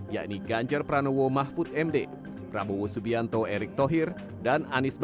yakni ganjar pranowo mahfud md prabowo subianto erik tohir dan anies baswedan muhyemin iskandar